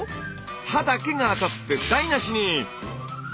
刃だけが当たって台なしに！